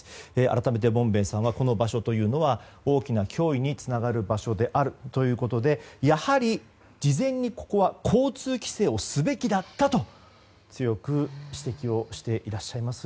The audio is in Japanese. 改めてボムベースさんはこの場所というのは脅威につながる場所であるということでやはり事前にここは交通規制をすべきだったと強く指摘していらっしゃいます。